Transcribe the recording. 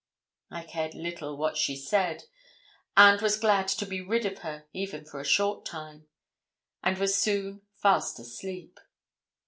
I cared little what she said, and was glad to be rid of her even for a short time, and was soon fast asleep.